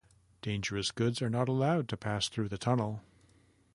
Dangerous goods are not allowed to pass through the tunnel.